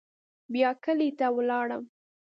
بيا کلي ته ولاړم.